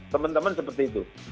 teman teman seperti itu